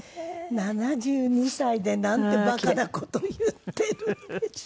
７２歳でなんてバカな事を言ってるんでしょう。